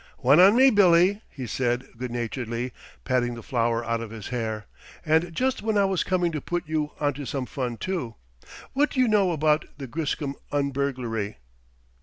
"One on me, Billy," he said, good naturedly, patting the flour out of his hair, "and just when I was coming to put you onto some fun, too. What do you know about the Griscom un burglary?"